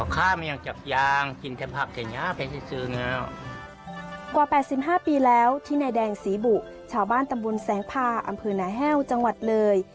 กว่า๘๕ปีแล้วที่นายแดงศรีบุชาวบ้านตำบลแสงพาอำเภอนาแห้วจังหวัดเลย